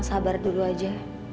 sabar dulu aja